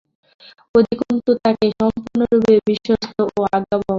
অধিকন্তু তাকে সম্পূর্ণরূপে বিশ্বস্ত ও আজ্ঞাবহ হতে হবে।